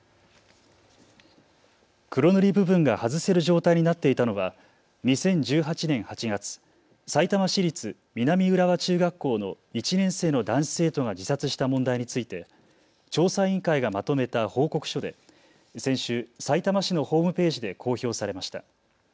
黒塗り部分が外せる状態になっていたのは２０１８年８月、さいたま市立南浦和中学校の１年生の男子生徒が自殺した問題について調査委員会がまとめた報告書で先週さいたま市のホームページで公表されました。